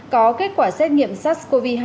có kết quả xét nghiệm sars cov hai